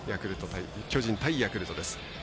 巨人対ヤクルトです。